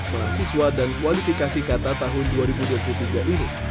mahasiswa dan kualifikasi kata tahun dua ribu dua puluh tiga ini